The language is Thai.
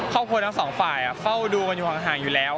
ครอบครัวทั้งสองฝ่ายเฝ้าดูกันอยู่ห่างอยู่แล้ว